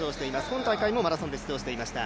今大会もマラソンで出場していました。